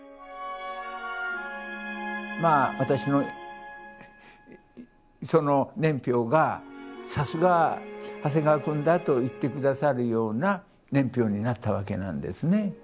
まあ私のその年表がさすが長谷川くんだと言って下さるような年表になったわけなんですね。